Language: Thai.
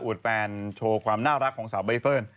แฟนโชว์ความน่ารักของสาวใบเฟิร์น